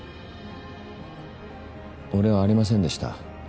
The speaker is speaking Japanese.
俺はありませんでした